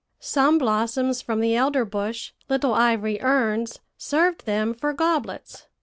"Some blossoms from the elder bush, little ivory urns, served them for goblets.